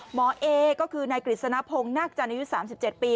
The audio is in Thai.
หมอเอก็คือนายกฤษณพงศ์นักจันทรยุสามสิบเจ็ดปี